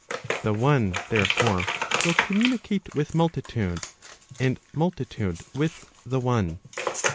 The one, therefore, will communicate with multitude, and multitude with the one.